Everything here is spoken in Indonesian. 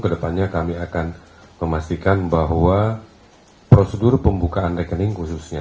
kedepannya kami akan memastikan bahwa prosedur pembukaan rekening khususnya